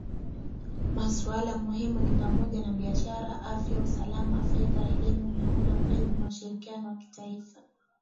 Masuala muhimu ni pamoja na biashara , afya , usalama , fedha , elimu , miundo mbinu na ushirikiano wa kimataifa